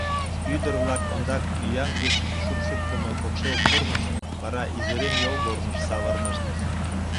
Ӱдыр-влак ондак ӱяҥдыш шупшыктымо покшел корныш, вара изурем йолгорныш савырнышт.